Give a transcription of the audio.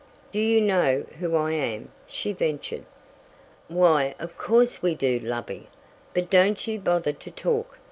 "Do you know who I am?" she ventured. "Why of course we do, lovey. But don't you bother to talk.